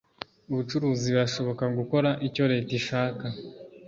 Ubucuruzi birashoboka gukora icyo leta ishaka